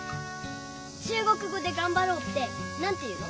中国語で「がんばろう」ってなんて言うの？